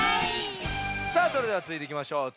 さあそれではつづいていきましょう。